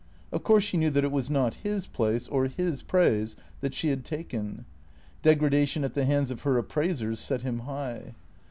Of course she knew that it was not his place or his praise that she had taken; degradation at tlie hands of her appraisers set him high.